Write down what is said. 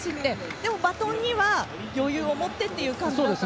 でもバトンは余裕は持ってという感じでした。